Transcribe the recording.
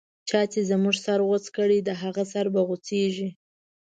چا چی زموږه سر غوڅ کړی، د هغه سر به غو څیږی